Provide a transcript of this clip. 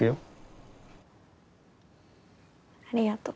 ありがと。